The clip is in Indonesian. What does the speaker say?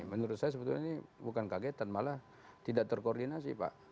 menurut saya sebetulnya ini bukan kagetan malah tidak terkoordinasi pak